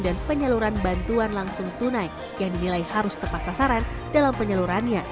dan penyaluran bantuan langsung tunai yang dinilai harus terpasasaran dalam penyalurannya